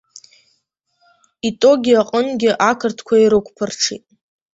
Итоги аҟынгьы ақырҭқәа ирықәԥырҽит.